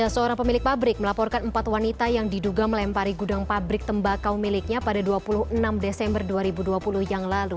seorang pemilik pabrik melaporkan empat wanita yang diduga melempari gudang pabrik tembakau miliknya pada dua puluh enam desember dua ribu dua puluh yang lalu